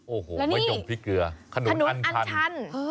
โอ้โหมะยมพริกเกลือขนุนอันชัน